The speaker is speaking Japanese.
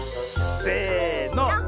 せの。